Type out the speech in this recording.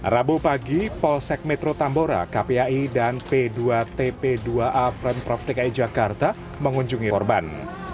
rabu pagi polsek metro tambora kpai dan p dua tp dua a pemprov dki jakarta mengunjungi korban